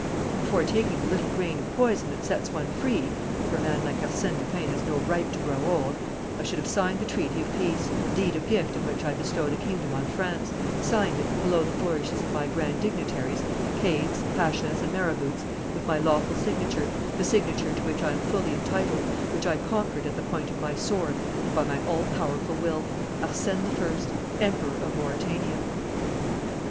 "And, before taking the little grain of poison that sets one free for a man like Arsène Lupin has no right to grow old I should have signed the treaty of peace, the deed of gift in which I bestowed a kingdom on France, signed it, below the flourishes of my grand dignitaries, kaids, pashas, and marabouts, with my lawful signature, the signature to which I am fully entitled, which I conquered at the point of my sword and by my all powerful will: 'Arsène I, Emperor of Mauretania!'"